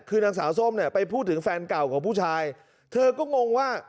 คือนางสาวส้มเนี่ยไปพูดถึงแฟนเก่าของผู้ชายเธอก็งงว่า